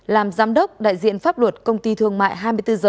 làm giám đốc đại diện pháp luật công ty thương mại hai mươi bốn h